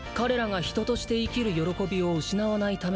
「人として生きる喜びを失わないための」